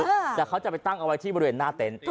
แต่เขาจะไปตั้งเอาไว้ที่บริเวณหน้าเต็นต์